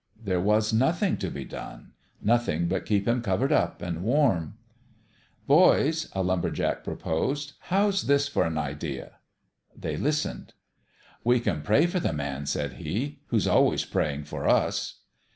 There was nothing to be done nothing but keep him covered up and warm. " Boys," a lumber jack proposed, " how's this for an idea?" They listened. " We can pray for the man," said he, " who's always praying for us."